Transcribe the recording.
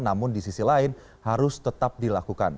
namun di sisi lain harus tetap dilakukan